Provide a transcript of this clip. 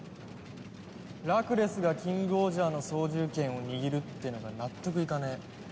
ラクレスがキングオージャーの操縦権を握るってのが納得いかねえ。